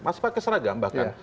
masih pakai seragam bahkan